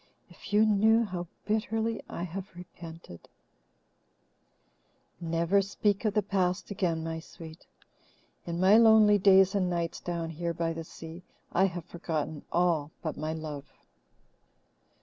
If you knew how bitterly I have repented " "Never speak of the past again, my sweet. In my lonely days and nights down here by the sea, I have forgotten all but my love."